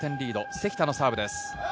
関田のサーブです。